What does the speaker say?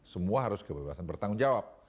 semua harus kebebasan bertanggung jawab